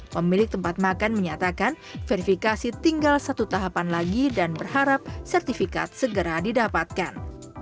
pemilik tempat makan menyatakan verifikasi tinggal satu tahapan lagi dan berharap sertifikat segera didapatkan